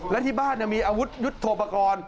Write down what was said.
และที่บ้านมีอาวุธยุทธโปรกรณ์